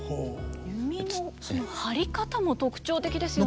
弓の張り方も特徴的ですよね。